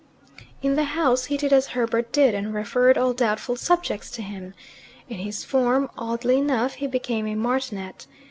In the house he did as Herbert did, and referred all doubtful subjects to him. In his form, oddly enough, he became a martinet.